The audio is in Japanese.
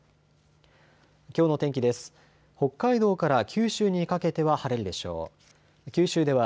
きょうの天気です。